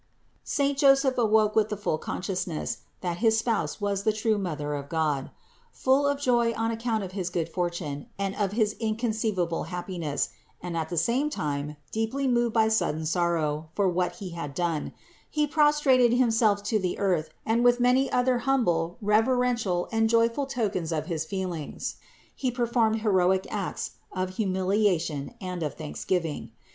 403. Saint Joseph awoke with the full consciousness, that his Spouse was the true Mother of God. Full of joy on account of his good fortune and of his inconceiva ble happiness, and at the same time deeply moved by sud den sorrow for what he had done, he prostrated himself to the earth and with many other humble, reverential and joyful tokens of his feelings, he performed heroic acts of humiliation and of thanksgiving.